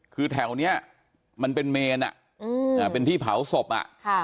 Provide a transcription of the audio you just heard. คือแถวนี้มันเป็นเมนเป็นที่เผาศพอ่ะค่ะ